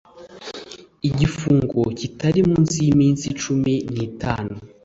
igifungo kitari munsi y iminsi cumi n itanu